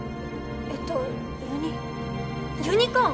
えっとユニユニコーン！